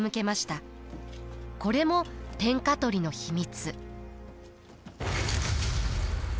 これも天下取りの秘密。